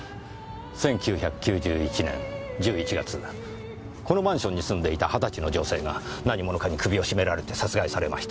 １９９１年１１月このマンションに住んでいた２０歳の女性が何者かに首を絞められて殺害されました。